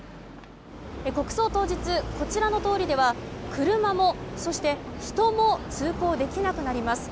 国葬当日こちらの通りでは車も、そして人も通行できなくなります。